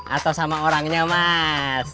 atau sama orangnya mas